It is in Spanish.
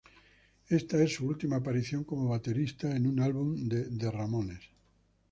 Esta es su última aparición como baterista en un álbum de The Ramones.